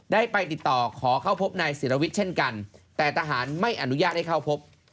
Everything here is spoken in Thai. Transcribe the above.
ได้ไปติดต่อขอเข้าพบนายศิรวิทย์เช่นกันแต่ทหารไม่อนุญาตให้เข้าพบ